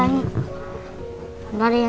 bagaimana kamu mau bantu